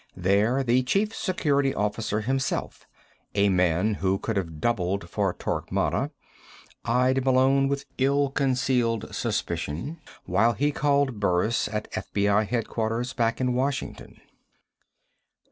There, the Chief Security Officer himself, a man who could have doubled for Torquemada, eyed Malone with ill concealed suspicion while he called Burris at FBI headquarters back in Washington.